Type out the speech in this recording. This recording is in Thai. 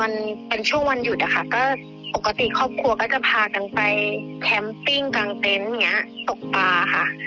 มันเป็นช่วงวันหยุดค่ะก็ปกติครอบครัวก็จะพากันไปแคมป์ติ้งกลางเต็นต์ตกป่าค่ะ